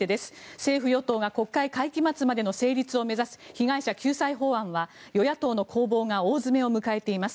政府・与党が国会会期末までの成立を目指す被害者救済法案は与野党の攻防が大詰めを迎えています。